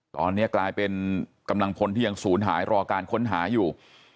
ตอนนี้กลายเป็นกำลังพลที่ยังศูนย์หายรอการค้นหาอยู่